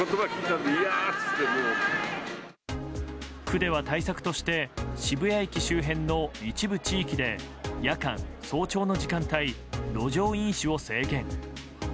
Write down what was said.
区では対策として渋谷駅周辺の一部地域で夜間・早朝の時間帯路上飲酒を制限。